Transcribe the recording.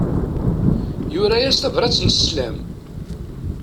Yura-yas tabrat n sslam.